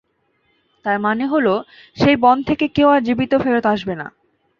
তার মানে হল সেই বন থেকে কেউ আর জীবিত ফেরত আসেবেনা।